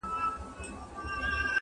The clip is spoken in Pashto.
زېری د خزان یم له بهار سره مي نه لګي،،!